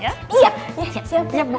iya siap siap siap